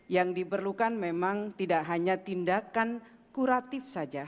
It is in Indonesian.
yang diperlukan memang tidak hanya tindakan kuratif saja